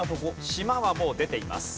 「島」はもう出ています。